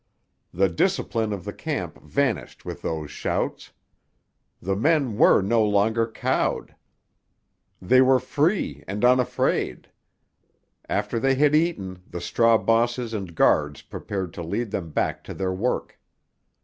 The discipline of the camp vanished with those shouts. The men were no longer cowed. They were free and unafraid. After they had eaten, the straw bosses and guards prepared to lead them back to their work.